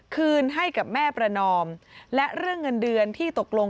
คืนให้กับแม่ประนอมและเรื่องเงินเดือนที่ตกลง